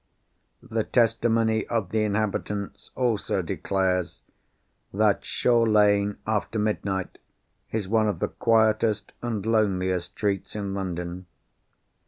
The testimony of the inhabitants also declares, that Shore Lane, after midnight, is one of the quietest and loneliest streets in London.